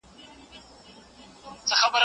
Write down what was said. د ليکوال عقل بايد د ټولني د پرمختګ لپاره وي.